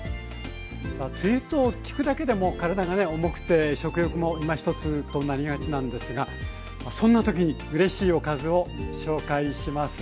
梅雨と聞くだけでもう体がね重くて食欲もいまひとつとなりがちなんですがそんな時にうれしいおかずを紹介します。